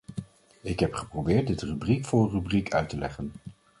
Ik heb geprobeerd dit rubriek voor rubriek uit te leggen.